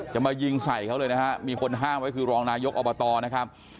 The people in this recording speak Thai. มายิงใส่เขาเลยนะฮะมีคนห้ามไว้คือรองนายกอบตนะครับ